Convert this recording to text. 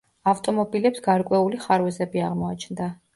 ავტომობილებს გარკვეული ხარვეზები აღმოაჩნდა.